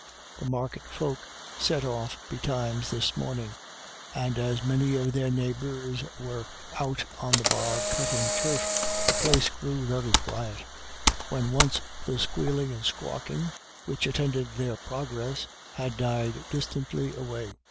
The market folk set off betimes this morning, and as many of their neighbours were out on the bog cutting turf, the place grew very quiet, when once the squealing and squawking, which attended their progress, had died distantly away.